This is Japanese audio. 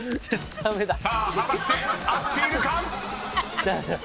［果たして合っているか⁉］